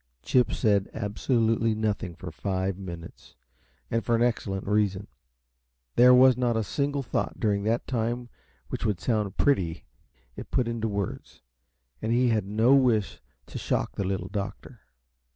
Chip said absolutely nothing for five minutes, and for an excellent reason. There was not a single thought during that time which would sound pretty if put into words, and he had no wish to shock the Little Doctor.